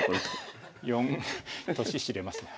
年知れますね。